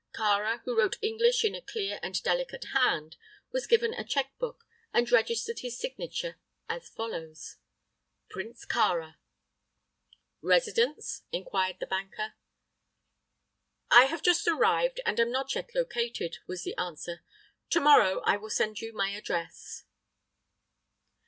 Kāra, who wrote English in a clear and delicate hand, was given a cheque book and registered his signature as follows: "Prince Kāra." "Residence?" inquired the banker. "I have just arrived, and am not yet located," was the answer. "To morrow I will send you my address."